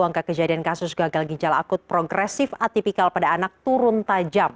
angka kejadian kasus gagal ginjal akut progresif atipikal pada anak turun tajam